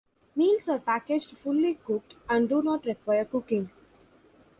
Meals are packaged fully cooked and do not require cooking.